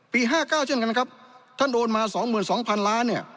ปี๕๙เช่นกันครับท่านโอนมา๒๒๐๐๐ล้าน